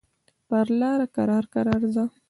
پر لاره کرار کرار ځه.